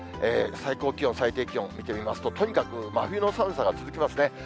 最高気温、最低気温見てみますと、とにかく真冬の寒さが続きますね。